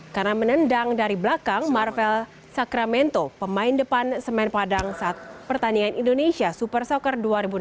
karena menendang dari belakang marvel sacramento pemain depan semen padang saat pertandingan indonesia super soccer dua ribu enam belas